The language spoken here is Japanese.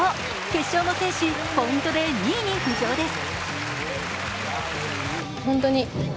決勝も制し、ポイントで２位に浮上です。